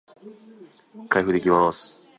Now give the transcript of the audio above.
開封できます